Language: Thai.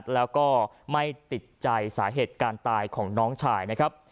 แล้วก็ไม่ติดใจสาเหตุการตายของน้องชายนะครับ